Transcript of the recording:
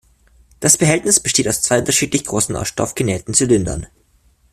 Das Behältnis besteht aus zwei unterschiedlich großen aus Stoff genähten Zylindern.